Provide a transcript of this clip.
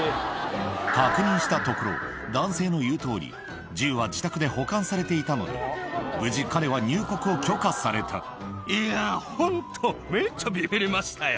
確認したところ、男性の言うとおり、銃は自宅で保管されていたので、無事、彼は入国を許可さいやー、ほんと、めっちゃびびりましたよ。